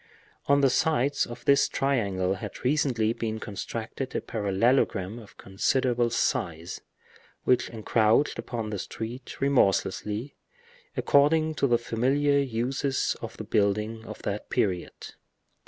On the sides of this triangle had recently been constructed a parallelogram of considerable size, which encroached upon the street remorselessly, according to the familiar uses of the building of that period.